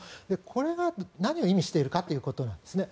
これが何を意味しているかということなんですね。